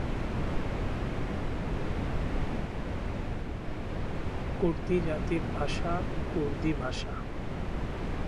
কুর্দি জাতির ভাষা ‘কুর্দি ভাষা’।